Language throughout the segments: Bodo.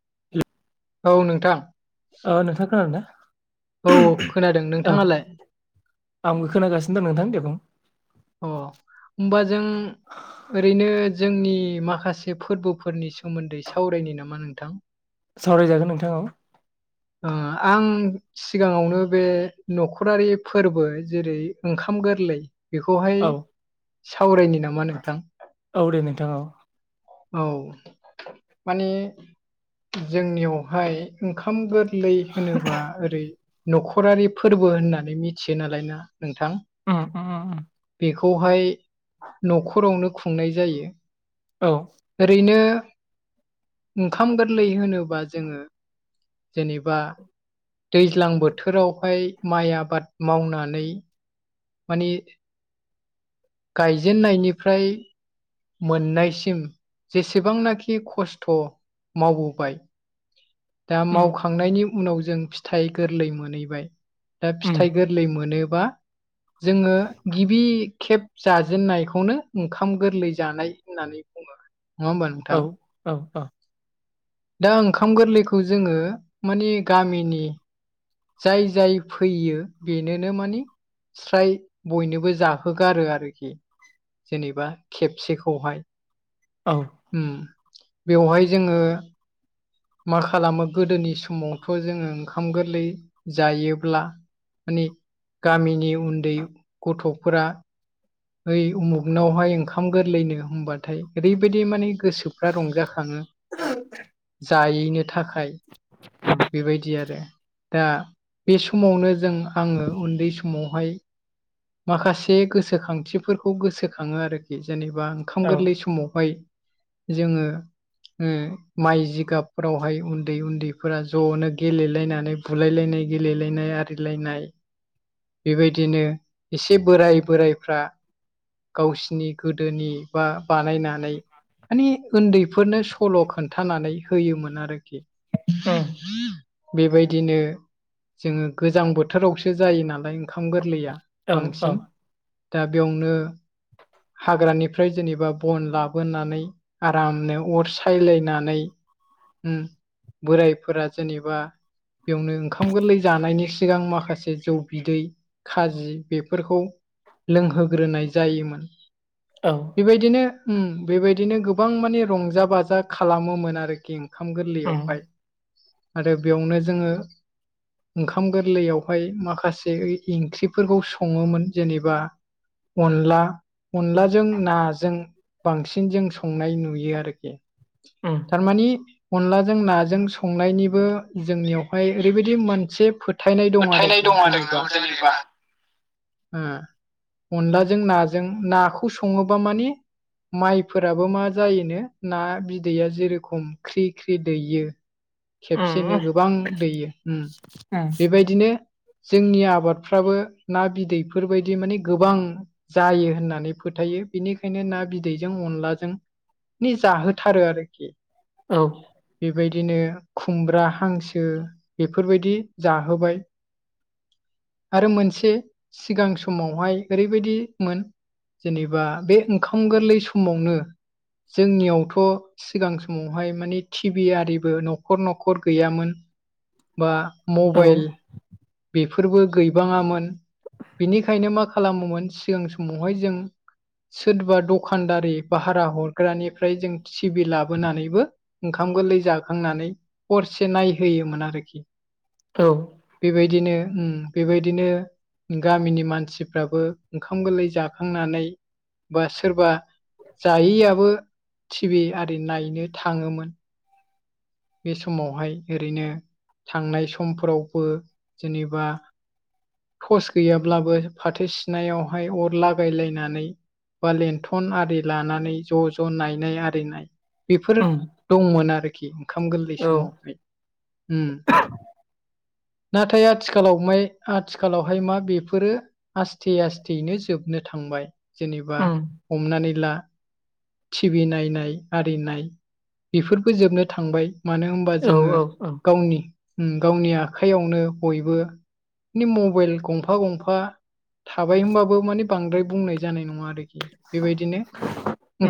[unintelligible] औ नोंथां ओ नोंथां खोनादोना औ औ खोनादों नोंथाङालाय? आंबो खोनागासिनो दं नोंथां दे बुं अ होमबा जों ओरैनो जोंनि माखासे फोरबोफोरनि सोमोन्दै सावरायनि नामा नोंथां सावरायजागोन नोंथां औ ओ आं सिगाङावनो बे न'खरारि फोरबो जेरै ओंखाम गोरलै बेखौहाय औ सावरायनि नामा नोंथां औ दे नोंथां औ औ माने जोंनियावहाय ओंखाम गोर गोरलै होनोबा ओरै न'खरारि फोरबो होननानै मिथियो नालाय ना नोंथां [unintelligible] बेखौहाय न'खरावनो खुंनाय जायो औ ओरैनो ओंखाम गोरलै होनोबा जोङो जेनेबा दैज्लां बोथोरावहाय माइ आबाद मावनानै मानि गायजेननायनिफ्राय मोननायसिम जेसेबांनाखि खस्थ' मावबोबाय दा उम मावखांनायनि उनाव जों फिथाइ गोरलै मोनहैबाय दा उम फिथाइ गोरलै मोनोबा जोंङो गिबि खेब जाजेननायखौनो ओंखाम गोरलै जानाय होननानै बुङो नङा होमबा नोंथां औ औ दा ओंखाम गोरलैखौ जोंङो माने गामिनि जाय जाय फैयो बेनोनो मानि स्राय बयनोबो जाहोगारो आरोखि जेनेबा खेबसेखौहाय औ उम बेवहाय जोङो मा खालामो गोदोनि समावथ' जोङो ओंखाम गोरलै जायोब्ला माने गामिनि उन्दै गथ'फोरा ओइ उमुगनावहाय ओंखाम गोरलैनो हबाथाय ओरैबायदि माने गोसोफ्रा रंजाखाङो जायनो थाखाय बेबायदि आरो दा बे समावनो जों आंङो उन्दै समावहाय माखासे गोसोखांथिफोरखौ गोसोखाङो आरोखि जेनेबा ओंखाम औ गोरलै समावहाय जोंङो माइ जिगाबफोरावहाय उन्दै उन्दैफोरा ज'नो गेलेलायनानै बुलायलायनाय गेलेलायनाय आरिलायनाय बेबायदिनो एसे बोराय बोरायफ्रा गावसिनि गोदोनि बा बानायना माने उन्दैफोरनो सल' खोन्थानानै होयोमोन आरोखि उम बेबायदिनो जोंङो गोजां बोथोरावसो जायो नालाय ओंखाम गोरलैया औ औ बांसिन दा बेयावनो हाग्रानिफ्राय जेनेबा बन लाबोनानै आरामनो अर सायलायनानै बोरायफोरा जेनेबा बेयावनो ओंखाम गोरलै जानायनि सिगां माखासे जौ बिदै खाजि बेफोरखौ लोंहोग्रोनाय जायोमोन। औ बेबायदिनो ओम बेबायदिनो गोबां माने रंजा बाजा खालामोमोन आरोखि ओंखाम उम गोरलैयावहाय आरो बेयावनो जोंङो ओंखाम गोरलैयावहाय माखासे ओंख्रिफोरखौ संङोमोन जेनेबा अनला अनलाजों नाजों बांसिन जों संनाय नुयो आरोखि उम थारमानि अनलाजों नाजों संनायनिबो जोंनियावहाय ओरैबायाददि मोनसे फोथायनाय दं फोथायनाय आरोखि आरो बेयाव जेनेबा अनलाजों नाजों नाखौ सङोबा माने माइफोराबो मा जायोनो ना बिदैया जेरोखम ख्रि ख्रि दैयो। उम खेबसेनो गोबां दैयो उम बेबायदिनो जोंनि आबादफ्राबो ना बिदैफोरबायायदि माने गोबां जायो होननानै फोथायो बेनिखायनो ना बिदैजों अनलाजों नि जाहोथारो आरोखि औ बेबायदिनो खुमब्रा हांसो बेफोरबायदि जाहोबाय आरो मोनसे सिगां समावहाय ओरैबायदिमोन जेनेबा बे ओंखाम गोरलै समावनो जोंनियावथ' सिगां समावहाय मानि टिभि आरिबो न'खर न'खर गैयामोन बा औ मबाइल बेफोरबो गैबाङामोन। बेनिखायनो मा खालामोमोन सिगां समावहाय जों सोरबा दखानदारि भारा हरग्रानिफ्राय जों सिबि लाबोनानैबो ओंखाम गोरलै जाखांनानै हरसे नायहोयोमोन आरोखि औ बेबायदिनो उम बेबायदिनो गामिनि मानसिफ्राबो ओंखाम गोरलै जाखांनानै बा सोरबा जायैआबो टिभि आरि नायनो थाङोमोन। बे समावहाय ओरैनो थांनाय समफोरावबो जेनेबा थस गैयाब्लाबो फाथो सिनायावहाय अर लागायलायनानै बा लन्थन आरि लानानै ज' ज' नायनाय आरिनाय बेफोर उम दंमोन आरोखि ओंखाम गोरलै औ उम समावहाय उम नाथाय आथिखालाव आथिखालावहाय मा बेफोरो आसस्थे आस्थेनो जोबनो थांबाय जेनेबा हमनानै ला टिभि नायनाय आरिनाय बेफोरबो जोबनो थांबाय मानो होनबा औ जोंङो औ गावनि गावनि आखाइयावनो बयबो मबाइल गंफा गंफा थाबाय होनोमबाबो माने बांद्राय बुंनाय जानाय नंङा आरोखि बेबायदिनो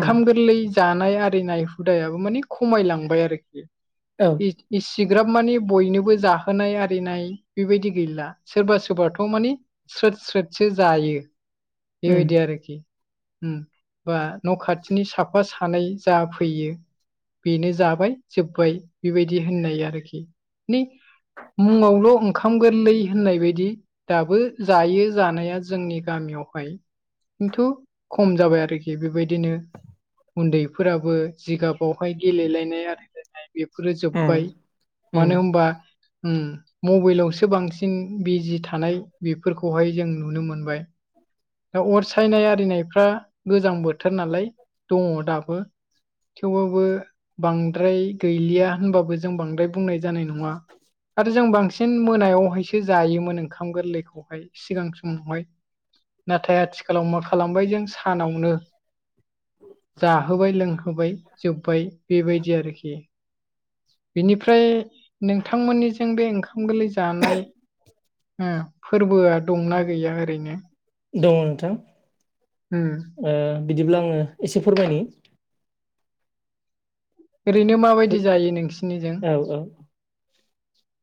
उम गोरलै जानाय आरिनाय हुदायाबो माने खमायलांबाय आरोखि। औ। इसिग्राब माने बयनोबो जाहोनाय आरिनाय बेबायदि गैला। सोरबा सोरबाथ' मानिे स्रोद स्रोदसो जायो। उम उम बेबायदि आरोखि। बा न' खाथिनि साफा सानै जाफैयो। बेनो जाबाय जोब्बाय बेबायदि होननाय आरोखि ने मुंङावल' ओंखाम गोरलै होननाय बायदि दाबो जायो जानाया जोंनि गामियावहाय। खिन्थु खम जाबाय आरोखि बेबायदि बिदिनो उन्दैफोराबो जिगाबावहाय गेलायनाय आरायलायनाय बे फोरो जोब्बाय मानो हबा मबाइलावसो बांसिन बांसिन बिजि थानाय बेफोरखौहाय जों नुनो मोनबाय। दा अर सायनाय आरिनायफ्रा गोजां बोथोर नालाय दंङ दाबो। थेवबाबो बांद्राय गैलिया होनबाबो जों बांद्राय बुंनाय जानाय नंङा। आरो जों बांसिन मोनायावहायसो जायोमोन ओंखाम गोरलैखौहाय सिगां समावहाय नाथाय आथिखालाव मा खालामबाय जों सानावनो जाहोबाय लोंहोबाय जोब्बाय बेबायदि आरोखि। बेनिफ्राय नोंथांमोननिजों बे ओंखाम गोरलै जानाय फोरबोआ दंना गैया ओरैनो दंङो नोंथां। ओ। ओ बिदिब्ला आंङो एसे फोरमायनि ओरैनो माबा औ औ।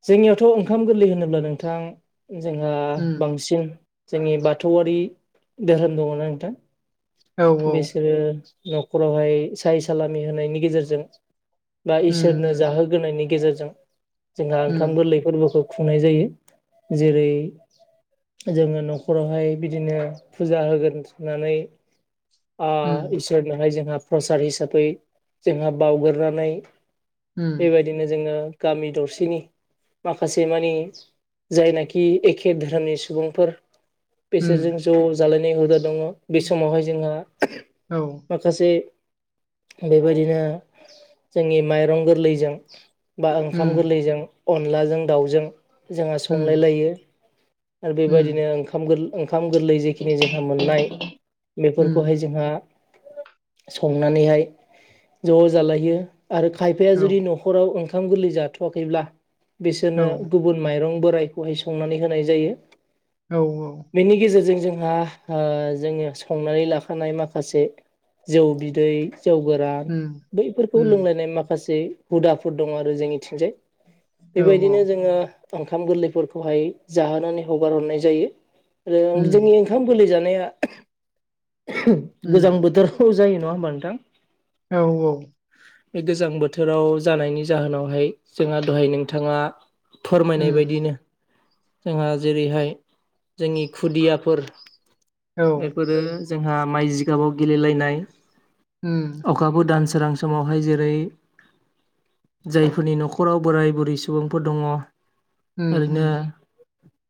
जोंनियावथ' ओंखाम गोरलै होनोब्ला नोंथां जोंहा उम बांसिन जोंनि बाथौआरि धोरोम दंङना नोंथां औ औ बिसोरो न'खरावहाय साहाय सालामि होनायनि गेजेरजों बा उम इसोरनो उम जाहोग्रोनायनि गेजेरजों जोंहा उम ओंखाम गोरलै फोरबोखौ खुंनाय जायो। जेरै जोंङो न'खरावहाय बिदिनो फुजा होगोन होननानै आ उम इसोरनहाय जोंहा प्रसाद हिसाबै जोंहा बावगोरनानै उम बेबायदिनो जोंङो गामि दरसेनि माखासे मानि जायनाखि एखे धोरोमनि सुबुंफोर उम बेसोरजों ज' जालायनाय हुदा दंङ बे समावहाय जोंहा माखा औ माखासे बेबायदिनो जोंनि माइरं गोरलैजों बा ओंखाम उम गोरलैजों अनलाजों दाउजों जोंहा उम संलायलायो। आरो उम बेबायदिनो ओंखाम गोरलै जेखिनि जोंहा मोननाय उम बेफोरखौहाय जोंहा संनानैहाय ज' जालायो आरो खायफाया औ जुदि न' न'खराव ओंखाम गोरलै जाथ'वाखैब्ला औ बिसोरनो गुब गुबुन माइरं बोरायखौहाय संनानै होनाय जायो। औ औ। बेनि गेजेरजों जोंहा जोंङो संनानै लाखानाय माखासे जौ बिदै जौ गोरान उम बैफोरखौ उम लोंलायनाय माखासे हुदाफोर दंङ आरो जोंनि थिंजाय औ औ बेबायदिनो जोङो ओंखाम गोरलैफोरखौहाय जाहोनानै हगार हरनाय जायो। उम जोंनि ओंखाम गोरलै जानाया गोजां उम बोथोर औ जायो नङा होमबा नोंथां? औ औ। बे गोजां बोथोराव जानायनि जाहोनावहाय जोंहा दहाय नोंथाङा फोरमायनाय उम बायदिनो जोंहा जेरैहाय जोंनि खुदियाफोर औ फोरो जोंहा माइ जिगाबाव गेलेलनाय उम अखाबो दान सोरां समावहाय जेरै जायफोरनि न'खराव बोराय बुरै सुबुंफोर दङ उम ओरैनो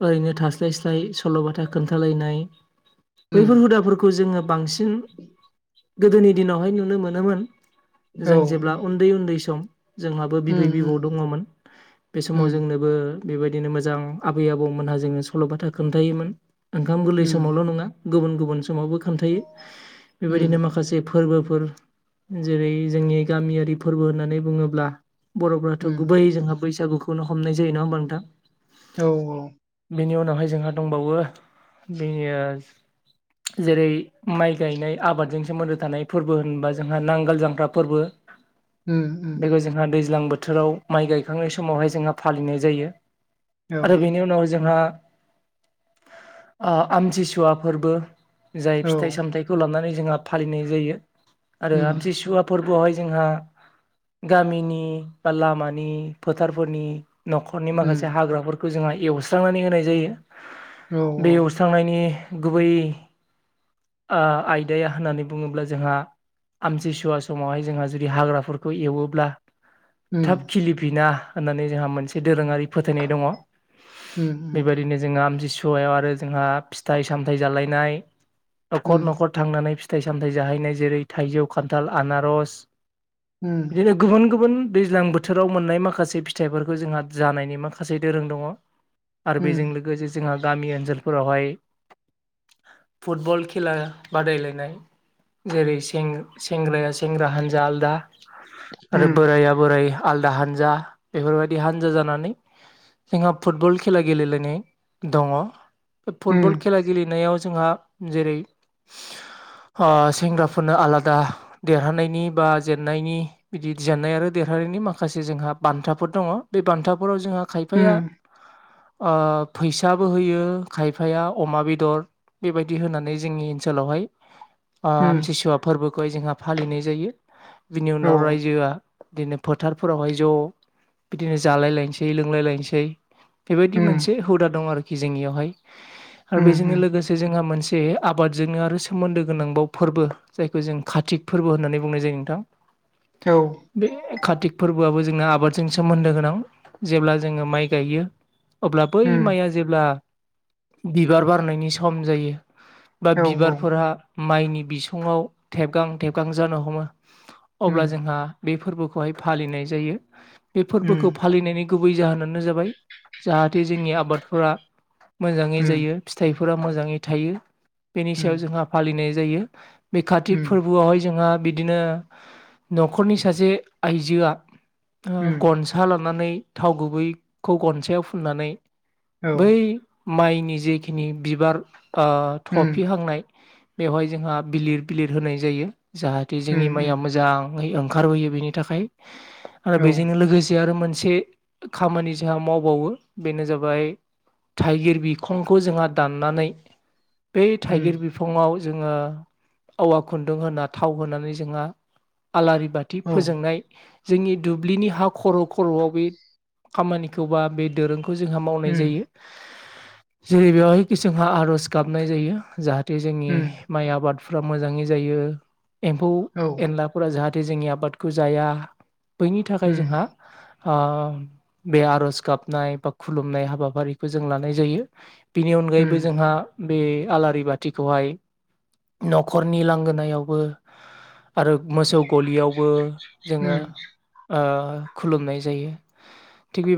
ओरैनो थास्लाय स्लाय सल'बाथा खोन्थालायनाय उम बैफोर हुदाफोरखौ जोङो बांसिन गोदोनि दिनावहाय नुनो मोनोमोन जों औ जेब्ला उन्दै उन्दै सम, जोंहाबो उम बिबै बिबौ उम दङमोन, बे समाव उम जोंनो बो बेबायदिनो मोजां आबै आबौमोनहा जोङो सल' बाथा खोन्थायोमोन। ओंखाम गोरलै समावल' नङा गुबुन गुबुन समावबो खोनथायो उम बेबायदिनो माखासे फोर्बोफोर जेरै जोंनि गामियारि फोर्बो होननानै बुङोब्ला बर'फ्राथ' उम गुबै जोंहा बैसागुखौनो हमनाय जायो नङा होमबा नोंथां? औ औ। बेनि उनावहाय जोंहा दंबावो बे यास [inaudible] जेरै माइ गायनाय आबादजों सोमोन्दो थानाय फोर्बो होनबा जोंहा नांगाल जांख्रा फोर्बो। उम उम बेखौ जोंहा दैज्लां बोथोराव माइ गायखांनाय समावहाय जोंहा फालिनाय जायो। आरो बेनि उनाव जोंहा आमथिसुवा फोर्बो, जाय औ फिथाइ सामथायाइखौ लानानै जोंहा फालिनाय जायो आरो उम आमथिसुवा फोर्बो आवहाय जोंहा गामिनि बा लामानि फोथारफोरनि न'खरनि उम माखासे हाग्राफोरखौ जोंहा एवस्रांनानै होनाय जायो औ बे औ एव स्रांनायनि गुबै आयदाया होननानै बुङोब्ला जोंहा आमथिसुवा समावहाय जोंहा जुदि हाग्राफोरखौ एवोब्ला उम थाब खिलिफना होननानै जोंहा मोनसे दोरोङारि फोथायनाय दङ उम उम बेबायदिनो जोंहा आमथिसुवायाव आरो जोंहा फिथाइ सामथायाइ जालायनाय न'खर उम न'खर थांनानै फिथाइ सामथायाइ जाहैनाय जेरै थाइजौ खान्थाल आनारस उम बिदिनो गुबुन गुबुन दैज्लां बोथोराव मोननाय माखासे फिथाइफोरखौ जोंहा जानायनि माखासे दोरों दङ। आरो उम बेजों लोगोसे जोंहा गामि ओनसोलफोरावहाय फुटबल खेला बादायलायनाय जेरै सें-सेंग्राया सेंग्रा हानजा आलादा आरो बोराइाया बोराइ आलादा हानजा बेफोरबायदि हानजा जानानै जोंहा फुटबल खेला गेलेलायनाय दङ बे उम फुटबल खेला गेलेनायाव जोंहा जेरै सेंग्राफोरनो आलादा देरहानायनि बा जेनायनि बि जेननाय आरो देरहानायनि माखासे जोंहा बान्थाफोर दङ बे बान्था हरआव जोंहा खायफाया उम ओ फैसाबो होयो खायफाया अमा बेदर, बेबायदि होनानै जोंनि ओनसोलावहाय उम आमथिसुवा फोर्बो खौहाय जोंहा फालिनाय जायो। बिनि औ उनाव रायजोआ इदिनो फोथारफोरावहाय ज' बिदिनो जालाय लायनोसै लोंलाय लायनोसै बेबायदि उम मोनसे हुदा दं आरोखि जोंनियावहाय आरो उम बेजोंनो उम लोगोसे जोंहा मोनसे आबादजोंनो आरो सोमोन्दो गोनांबाव फोरबो जायखौ जों कातिक फोरबो होननानै बुंनाय जायो नोंथां औ बे कार्तिक फोरबोआबो जोंना आबादजों सोमोन्दो गोनां जेब्ला जोङो माइ गायो अब्ला बै उम माइया जेब्ला बिबार बारनायनि सम जायो बा औ औ बिबारफोराहा माइनि बिसङाव थेबगां थेबगां जानो हमो अब्ला उम जोंहा बे फोरबोखौहाय फालिनाय जायो बे उम फोरबोखौ फालिनायनि गुबै जाहोनानो जाबाय जाहाथे जोंनि आबादफोरा मोजाङै उम उम जायो। फिथाइफोरा मोजाङै थायो बेनि सायाव जोंहा फालिनाय जायो। बे कातिक फोरबोआवहाय जोंहा बिदिनो न'खरनि सासे आइजोआ गन सा लानानै थाव गुबैखौ गनसायाव फुननानै औ उम बै माइनि जेखिनि बिबार ओ उम थफिहांनाय बेवहाय जोंहा बिलिर बिलिर होनाय जायो जाहाथे जोंनि उम औ उम माइया मोजां ङै ओंखारबोयो बेनि थाखाय औ आरो उम बेजोंनो लोगोसे आरो मोनसे खामानि जोंहा मावबावो बेनो जाबाय थाइगिर बिखंखौ जोंहा दाननानै बै उम थाइगिर औ बिफाङाव जोङो औवा खुन्दुं होना थाव होनानै जोंहा आलारि बाथि फोजोंनाय जोंनि दुब्लिनि हा खर' खर'आव बे खामानिखौ बा बे दोरों खौ जोंहा मावनाय जायो जेरै बेवहाय जोंहा आर'ज गाबनाय जायो जाहाथ थे जोंनि माइ आबादफ्रा मोजाङै जायो। एम्फौ एनलाफोरा जाहाथे जोंनि आबादखौ जाया बैनि थाखाय उम जोंहा अ बे आर'ज गाबनाय बा खुलुमनाय हाबाफारिखौ जों लानाय जायो। बिनि अनगायैबो उम जोंहा बे आलारि बाथिखौहाय न'खरनि लांगोनायावबो आरो मोसौ गलियावबो जोङो उम ओ खुलुमनाय जायो थिग बे